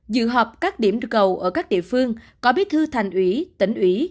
dự họp các điểm cầu ở các địa phương có bí thư thành ủy tỉnh ủy